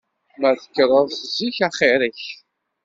Ma tekkreḍ-d zik axir-ik.